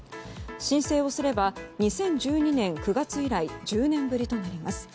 申請をすれば２０１２年９月以来１０年ぶりとなります。